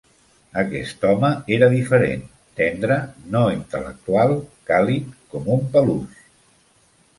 Aquest home era diferent: tendre, no intel·lectual, càlid, com un peluix.